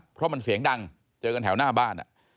เพราะมันเสียงดังเจอกันแถวหน้าบ้าน